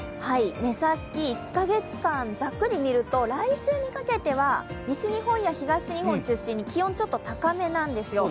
目先１か月間、ざっくり見ると来週にかけては西日本や東日本中心に気温ちょっと高めなんですよ。